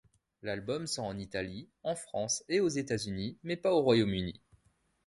L'album sort en Italie, en France et aux États-Unis mais pas au Royaume-uni.